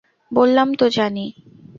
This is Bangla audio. বললাম তো জানি।